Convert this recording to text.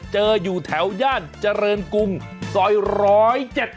อยู่แถวย่านเจริญกรุงซอย๑๐๗